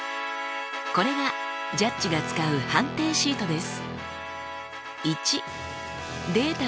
これがジャッジが使う判定シートです。